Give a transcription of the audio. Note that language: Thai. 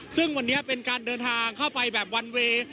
ซึ่งวันนี้เป็นการเดินทางเข้าไปแบบวันเวย์